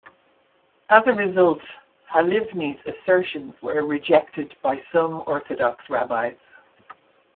As a result, Halivni's assertions were rejected by some Orthodox rabbis.